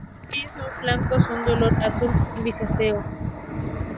Los muelles en los flancos son de color azul grisáceo.